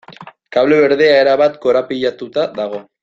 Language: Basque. Kable berdea erabat korapilatuta dago.